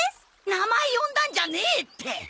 名前呼んだんじゃねえって！